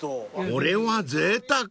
［これはぜいたく］